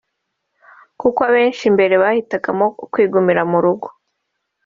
kuko abenshi mbere bahitagamo kwigumira mu rugo